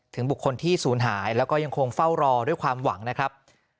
บุคคลที่ศูนย์หายแล้วก็ยังคงเฝ้ารอด้วยความหวังนะครับ